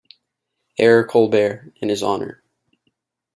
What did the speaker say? "Air Colbert", in his honor.